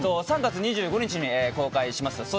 ３月２５日に公開します。